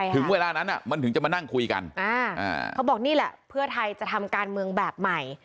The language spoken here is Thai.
ถึงเวลานั้นมันถึงจะมานั่งคุยกันอ่าเขาบอกนี่แหละเพื่อไทยจะทำการเมืองแบบใหม่